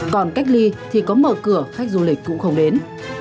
còn cách ly thì có mở cửa khách du lịch cũng không đến